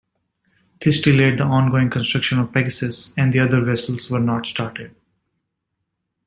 This delayed the ongoing construction of "Pegasus", and the other vessels were not started.